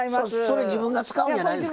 それ自分が使うんじゃないですか？